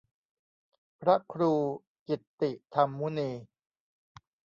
พระครูกิตติธรรมมุนี